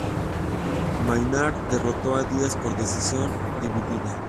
Maynard derrotó a Diaz por decisión dividida.